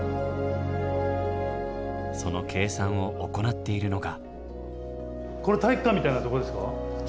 その計算を行っているのが。